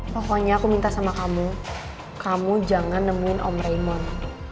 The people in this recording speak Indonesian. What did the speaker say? pokoknya aku minta sama kamu kamu jangan nemuin om raymoon